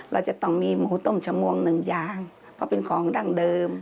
เราจะต้องมีหมูต้มชมวงหนึ่งอย่างเพราะเป็นของดั้งเดิม